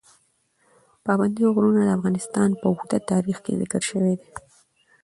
پابندی غرونه د افغانستان په اوږده تاریخ کې ذکر شوی دی.